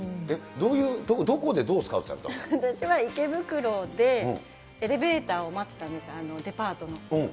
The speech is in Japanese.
どういう所、どこでどうスカ私は池袋で、エレベーターを待ってたんです、デパートの。